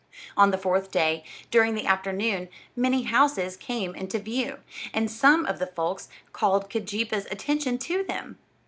On the fourth day, during the afternoon, many houses came into view, and some of the folks called Keejeepaa's attention to them.